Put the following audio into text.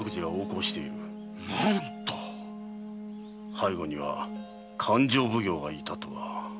背後には勘定奉行がいたとか。